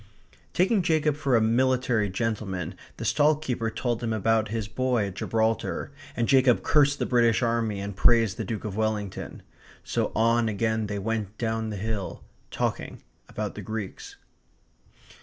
Taking Jacob for a military gentleman, the stall keeper told him about his boy at Gibraltar, and Jacob cursed the British army and praised the Duke of Wellington. So on again they went down the hill talking about the Greeks.